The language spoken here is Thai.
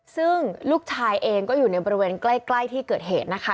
ซึ่งลูกชายเองก็อยู่ในบริเวณใกล้ที่เกิดเหตุนะคะ